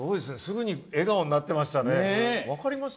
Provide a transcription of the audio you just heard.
すぐに笑顔になってましたね。